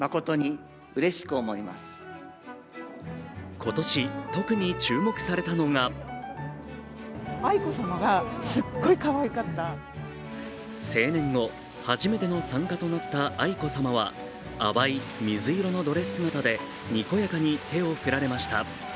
今年、特に注目されたのが成年後、初めての参加となった愛子さまは淡い水色のドレス姿でにこやかに手を振られました。